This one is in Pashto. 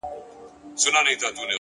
عاجزي د اړیکو ښکلا ده.!